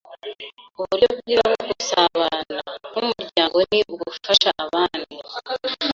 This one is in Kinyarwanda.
Uburyo bwiza bwo gusabana nk’umuryango ni ugufasha abandi.